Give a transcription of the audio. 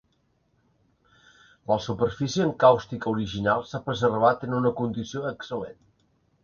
La superfície encàustica original s'ha preservat en una condició excel·lent.